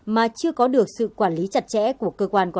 mà chưa có được sự quản lý chặt chẽ của cơ quan quản lý nhà nước